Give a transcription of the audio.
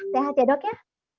sehat ya dok ya